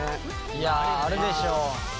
いやあるでしょ。